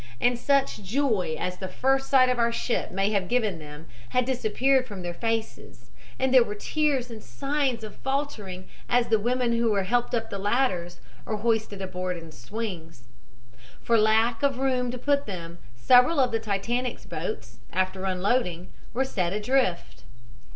And such joy as the first sight of our ship may have given them had disappeared from their faces, and there were tears and signs of faltering as the women were helped up the ladders or hoisted aboard in swings. For lack of room to put them, several of the Titanic's boats, after unloading, were set adrift.